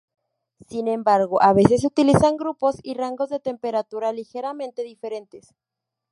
Sin embargo, a veces se utilizan grupos y rangos de temperatura ligeramente diferentes.